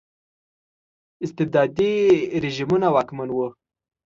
استبدادي رژیمونه واکمن وو.